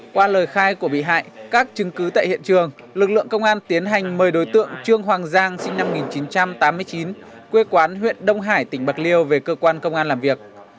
qua lời khai của bị hại các chứng cứ tại hiện trường lực lượng công an tiến hành mời đối tượng trương hoàng giang sinh năm một nghìn chín trăm tám mươi chín quê quán huyện đông hải tỉnh bạc liêu về cơ quan công an làm việc